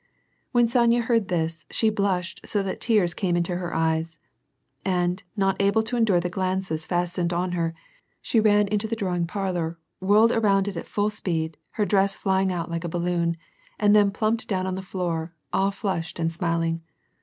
When Sonya heard this, she blushed so that the tears came into her eyes. And, not able to endure* the glances fastened on her, she ran into the drawing parlor, whirled around it at full speed, her dress flying out like a balloon, and then plumped down on the floor, all flushed and smiling.